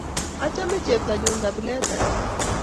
Achgame cheptanyun kabilet ake